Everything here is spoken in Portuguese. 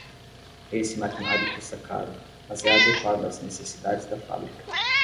Esse maquinário custa caro, mas é adequado às necessidades da fábrica